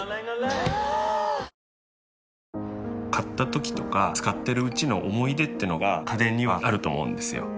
ぷはーっ買ったときとか使ってるうちの思い出ってのが家電にはあると思うんですよ。